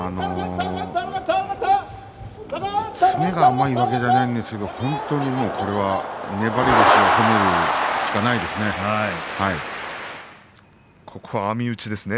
詰めが甘いわけではないんですが本当に、これは豊昇龍の粘り腰を褒めるしかないですね。